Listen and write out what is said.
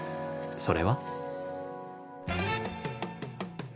それは。